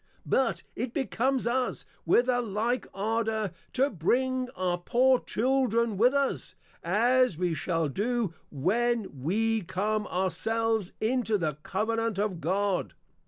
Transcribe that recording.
But it becomes us, with a like Ardour, to bring our poor Children with us, as we shall do, when we come our selves, into the Covenant of God.